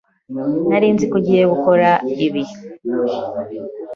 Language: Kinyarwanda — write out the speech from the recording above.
Nari nzi ko ugiye gukora ibi.